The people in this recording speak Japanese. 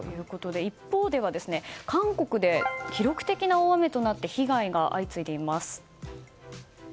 一方で、韓国では記録的な大雨となって被害が相次いでいます。